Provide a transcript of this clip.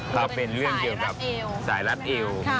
ก็เป็นเรื่องเกี่ยวกับสายรัดอิว